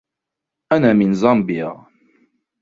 أنا من زامبيا.